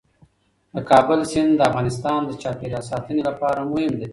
د کابل سیند د افغانستان د چاپیریال ساتنې لپاره مهم دی.